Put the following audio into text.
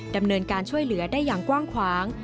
ดำเนินการช่วยเหลือได้อย่างกว้างขวาง